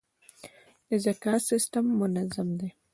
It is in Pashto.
د زکات سیستم منظم دی؟